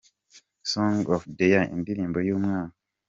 Song of the year: Indirimbo y’umwaka.